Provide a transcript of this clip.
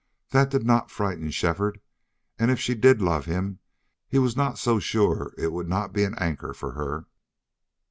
That did not frighten Shefford, and if she did love him he was not so sure it would not be an anchor for her.